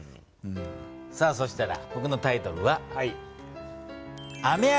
さあそしたらぼくのタイトルはこれ雲。